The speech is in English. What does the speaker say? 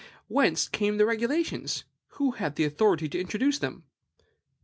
Whence came the regulations? Who had the authority to introduce them?